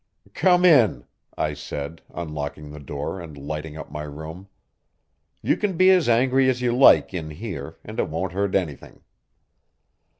"Come in," I said, unlocking the door and lighting up my room. "You can be as angry as you like in here, and it won't hurt anything."